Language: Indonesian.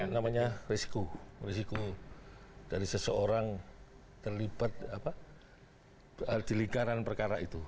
ya itu namanya risiko risiko dari seseorang terlibat apa di lingkaran perkara itu